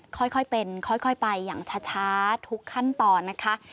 ค่อยเป็นค่อยไปอย่างช้าทุกขั้นตอนนะคะ